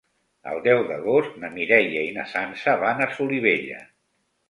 El deu d'agost na Mireia i na Sança van a Solivella.